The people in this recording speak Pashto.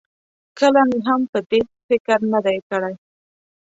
کله مې هم په دې فکر نه دی کړی.